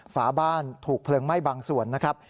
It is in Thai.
ฝาบ้านถูกเพลิงไหม้บางส่วนนะครับ